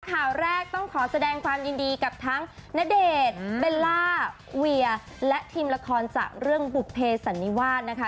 ข่าวแรกต้องขอแสดงความยินดีกับทั้งณเดชน์เบลล่าเวียและทีมละครจากเรื่องบุภเพสันนิวาสนะคะ